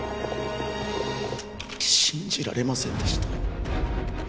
信じられませんでした。